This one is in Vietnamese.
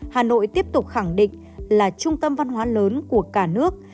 hà nội tiếp tục khẳng định là trung tâm văn hóa lớn của cả nước